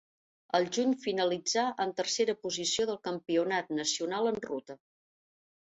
Al juny finalitzà en tercera posició del campionat nacional en ruta.